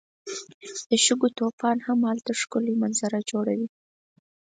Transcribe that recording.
د شګو طوفان هم هلته ښکلی منظر جوړوي.